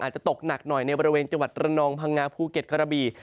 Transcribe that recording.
ตกหนักหน่อยในบริเวณจังหวัดระนองพังงาภูเก็ตกระบี่